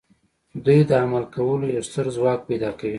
دوی د عمل کولو یو ستر ځواک پیدا کوي